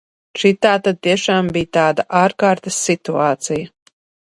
Šī tātad tiešām bija tāda ārkārtas situācija.